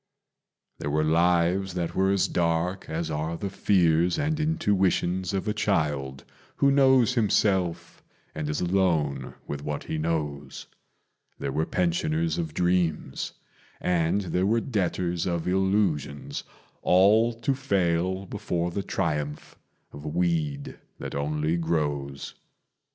There were lives that were as dark as are the fears and intuitions Of a child who knows himself and is alone with what he knows; There were pensioners of dreams and there were debtors of illusions, All to fail before the triumph of a weed that only grows.